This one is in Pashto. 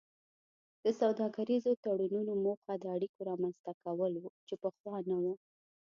د سوداګریزو تړونونو موخه د اړیکو رامینځته کول وو چې پخوا نه وو